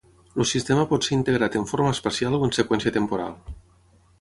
El sistema pot ser integrat en forma espacial o en seqüència temporal.